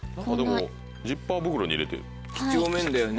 でもジッパー袋に入れて。